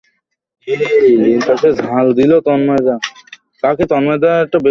তাঁকে ফাঁকি দিয়েই দুর্বৃত্তরা কার্যালয়ের নবনির্মিত অংশের জানালা ভেঙে ভেতরে বোমা ছোড়ে।